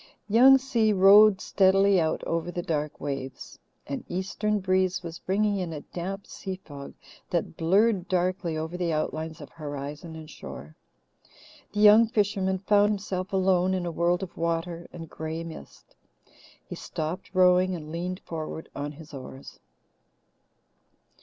Young Si rowed steadily out over the dark waves. An eastern breeze was bringing in a damp sea fog that blurred darkly over the outlines of horizon and shore. The young fisherman found himself alone in a world of water and grey mist. He stopped rowing and leaned forward on his oars.